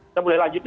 oke silakan lanjut